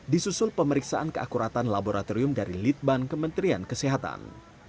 disusul pemeriksaan keakuratan laboratorium dari litban kementerian kesehatan